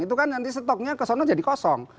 itu kan nanti stoknya kesana jadi kosong